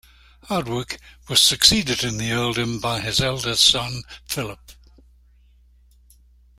Hardwicke was succeeded in the earldom by his eldest son, Philip.